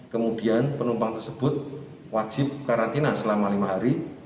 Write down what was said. kemudian penumpang tersebut wajib karantina selama lima hari